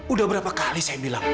udah berapa kali saya bilang